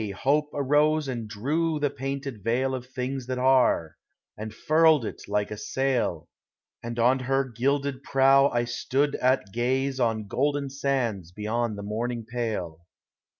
Hope arose and drew the painted veil Of things that are, and furled it like a sail, And on her gilded prow I stood at gaze On golden sands beyond the morning pale.